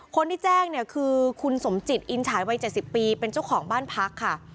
คนที่แจ้งเนี่ยคือคุณสมจิตอินฉายวัย๗๐ปีเป็นเจ้าของบ้านพักค่ะ